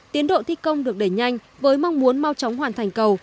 tiến độ thi công được đẩy nhanh với mong muốn mau chóng hoàn thành cầu